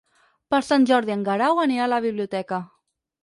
Per Sant Jordi en Guerau anirà a la biblioteca.